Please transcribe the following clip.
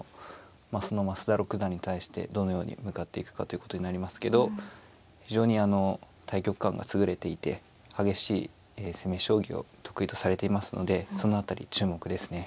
その増田六段に対してどのように向かっていくかということになりますけど非常に大局観が優れていて激しい攻め将棋を得意とされていますのでその辺り注目ですね。